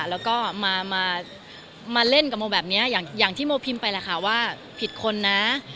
แล้วก็มาเล่นกับโมแบบนี้อย่างที่โมพิมพ์ไปแหละค่ะว่าผิดคนนะ